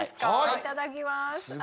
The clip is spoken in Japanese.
いただきます。